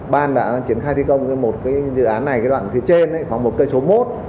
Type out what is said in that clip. ban đã triển khai thi công một dự án này đoạn phía trên có một cây số một